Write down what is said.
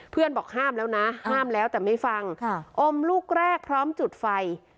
บอกห้ามแล้วนะห้ามแล้วแต่ไม่ฟังอมลูกแรกพร้อมจุดไฟ